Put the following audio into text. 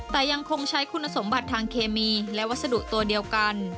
แต่ยังคงใช้คุณสมบัติทางเคมีและวัสดุตัวเดียวกัน